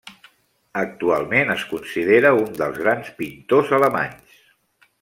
Actualment es considera un dels grans pintors alemanys.